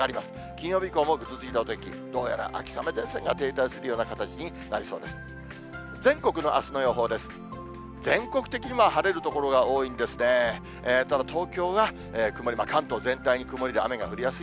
金曜日以降もぐずついたお天気、どうやら秋雨前線が停滞するような形になりそうです。